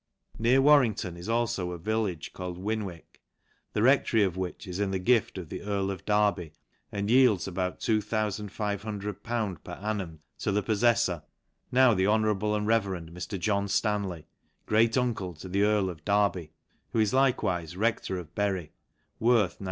Near Warrington is alfo a village called Winwhk, he rectory of which is in the gift of the earl of Derby, and yields about 2500/. per annum to the pof HTor, now the honourable and reverend Mr. John Stanley, great, uncle to the earl of Derby > who is ikewife rector of Bury, worth 900